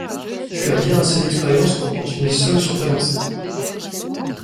Tu as bien assez d’expérience pour continuer seule sur ta lancée.